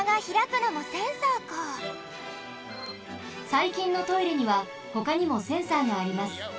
さいきんのトイレにはほかにもセンサーがあります。